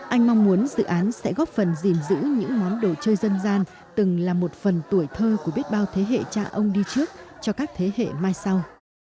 anh mong muốn dự án sẽ góp phần gìn giữ những món đồ chơi dân gian từng là một phần tuổi thơ của biết bao thế hệ cha ông đi trước cho các thế hệ mai sau